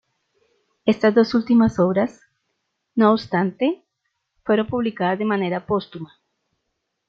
Estas dos últimas obras, no obstante, fueron publicadas de manera póstuma.